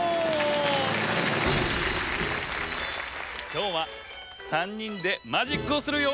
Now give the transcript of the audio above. きょうは３にんでマジックをするよ！